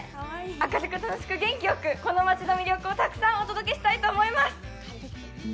明るく、楽しく、元気よく、この町の魅力をたくさんお届けしたいと思います！